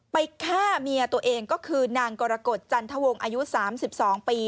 ฆ่าเมียตัวเองก็คือนางกรกฎจันทวงอายุ๓๒ปี